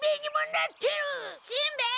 しんべヱ！